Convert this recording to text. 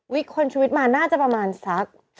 คนชีวิตมาน่าจะประมาณสัก